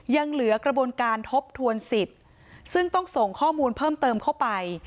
ยังเหลือกระบวนการทบทวนสิทธิ์ซึ่งต้องส่งข้อมูลเพิ่มเติมเข้าไป